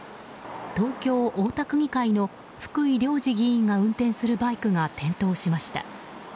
東京・大田区議会の福井亮二議員が運転するバイクが転倒しました。